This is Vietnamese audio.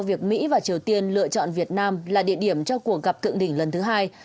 việc mỹ và triều tiên lựa chọn việt nam là địa điểm cho cuộc gặp thượng đỉnh lần thứ hai